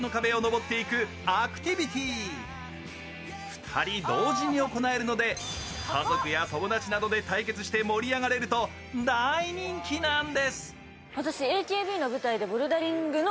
２人同時に行えるので家族や友達などで対決して盛り上がれると大人気なんです。